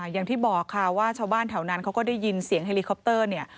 อย่างที่บอกค่ะว่าชาวบ้านแถวนั้นเขาก็ได้ยินเสียงเฮลิคอปเตอร์เนี่ย